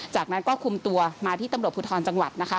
จากนั้นก็คุมตัวมาที่ตำรวจภูทรจังหวัดนะคะ